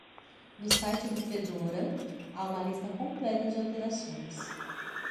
No site do Fedora, há uma lista completa de alterações.